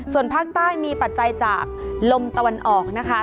ส่วนภาคใต้มีปัจจัยจากลมตะวันออกนะคะ